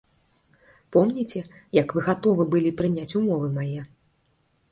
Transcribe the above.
Помніце, як вы гатовы былі прыняць умовы мае?